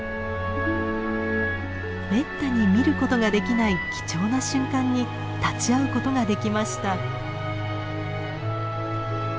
めったに見ることができない貴重な瞬間に立ち会うことができました。